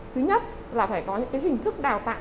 thứ nhất là phải có những hình thức đào tạo